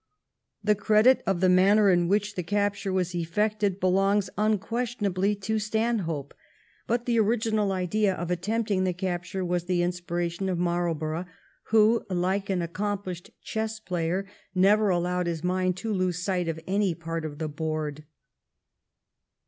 The credit of the manner in which the capture was effected belongs unquestionably to Stanhope, but the original idea of attempting the capture was the inspiration of Marlborough, who, like an accomplished chessplayer, never allowed his mind to lose sight of any part of the board.